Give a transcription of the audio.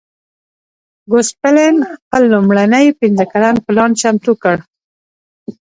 ګوسپلن خپل لومړنی پنځه کلن پلان چمتو کړ.